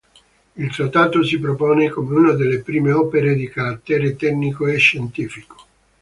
Il trattato si propone come una delle prime opere di carattere tecnico e scientifico.